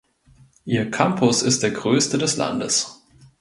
Ihr Campus ist der größte des Landes.